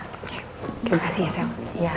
terima kasih ya sel